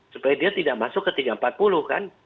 supaya dia tidak masuk ke tiga ratus empat puluh kan